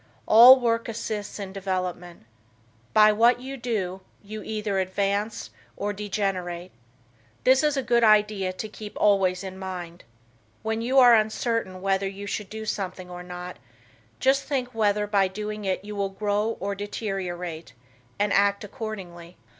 All work assists in development. By what you do you either advance or degenerate. This is a good idea to keep always in mind. When you are uncertain whether you should do something or not, just think whether by doing it you will grow or deteriorate, and act accordingly.